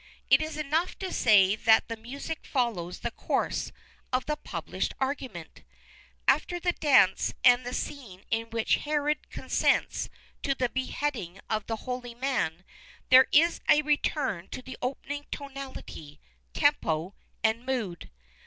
It is enough to say that the music follows the course of the published argument. After the dance and the scene in which Herod consents to the beheading of the holy man there is a return to the opening tonality, tempo, and mood.